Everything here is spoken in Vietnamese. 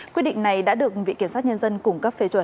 quyết định này đã được vị kiểm soát nhân dân